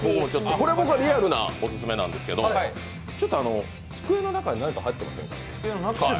これはリアルなオススメなんですけど、机の中に何か入ってませんか？